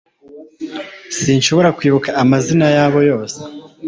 Sinshobora kwibuka amazina yabo yose